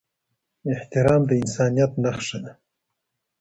احترام د انسانيت نښه ده.